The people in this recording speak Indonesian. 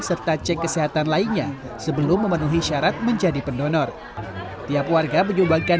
serta cek kesehatan lainnya sebelum memenuhi syarat menjadi pendonor tiap warga menyumbangkan